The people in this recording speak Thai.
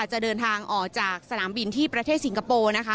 จะเดินทางออกจากสนามบินที่ประเทศสิงคโปร์นะคะ